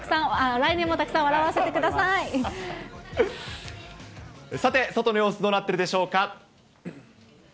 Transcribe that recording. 来年もたくさん笑わせてくださて、外の様子どうなっているでしょうか。